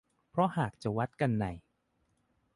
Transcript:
เพราะหากจะวัดกันใน